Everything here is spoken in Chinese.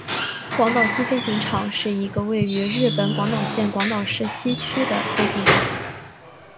广岛西飞行场是一个位于日本广岛县广岛市西区的飞行场。